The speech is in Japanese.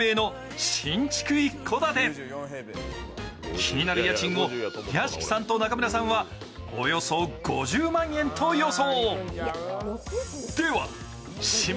気になる家賃を屋敷さんと中村さんはおよそ５０万円と予想。